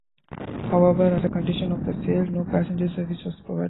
However, as a condition of the sale, no passenger service was provided.